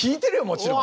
もちろん。